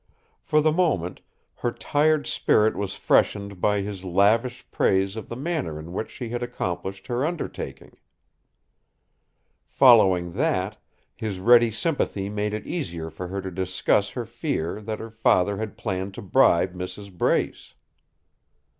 For the moment, her tired spirit was freshened by his lavish praise of the manner in which she had accomplished her undertaking. Following that, his ready sympathy made it easier for her to discuss her fear that her father had planned to bribe Mrs. Brace.